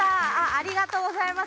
ありがとうございます。